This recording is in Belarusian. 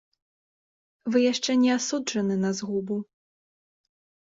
Вы яшчэ не асуджаны на згубу.